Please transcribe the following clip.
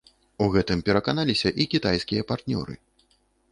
У гэтым пераканаліся і кітайскія партнёры.